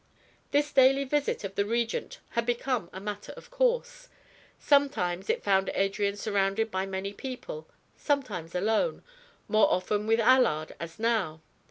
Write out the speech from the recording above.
This daily visit of the Regent had become a matter of course. Sometimes it found Adrian surrounded by many people, sometimes alone, more often with Allard, as now.